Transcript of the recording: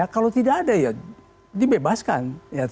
kalau tidak ada ya dibebaskan